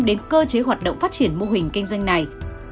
đến cơ chế hoạt động phát triển mô hình kinh doanh này